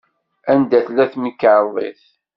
Anda tella temkerḍit?